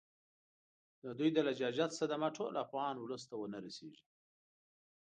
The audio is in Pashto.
د دوی د لجاجت صدمه ټول افغان اولس ته ونه رسیږي.